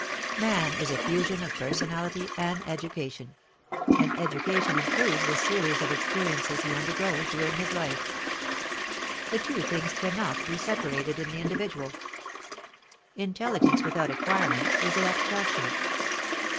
Man is a fusion of personality and education, and education includes the series of experiences he undergoes during his life. The two things cannot be separated in the individual: intelligence without acquirement is an abstraction.